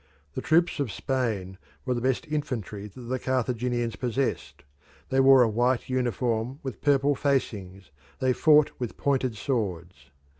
The troops of Spain were the best infantry that the Carthaginians possessed; they wore a white uniform with purple facings; they fought with pointed swords.